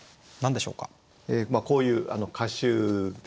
こういう歌集ですね。